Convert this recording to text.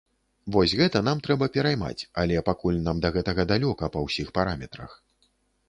Вось гэта нам трэба пераймаць, але пакуль нам да гэтага далёка па ўсіх параметрах.